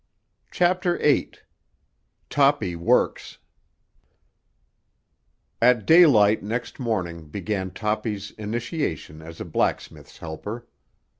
CHAPTER VIII—TOPPY WORKS At daylight next morning began Toppy's initiation as a blacksmith's helper.